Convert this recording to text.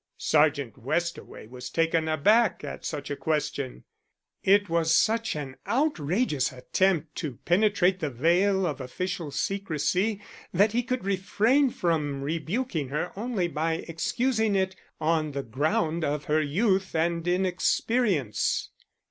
Sergeant Westaway was taken aback at such a question. It was such an outrageous attempt to penetrate the veil of official secrecy that he could refrain from rebuking her only by excusing it on the ground of her youth and inexperience.